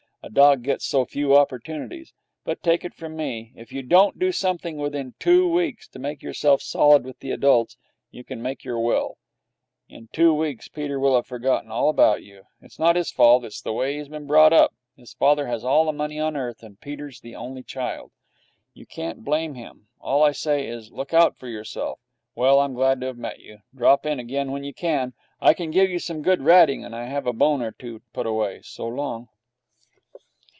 A dog gets so few opportunities. But, take it from me, if you don't do something within two weeks to make yourself solid with the adults, you can make your will. In two weeks Peter will have forgotten all about you. It's not his fault. It's the way he has been brought up. His father has all the money on earth, and Peter's the only child. You can't blame him. All I say is, look out for yourself. Well, I'm glad to have met you. Drop in again when you can. I can give you some good ratting, and I have a bone or two put away. So long.'